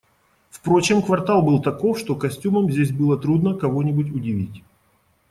Впрочем, квартал был таков, что костюмом здесь было трудно кого-нибудь удивить.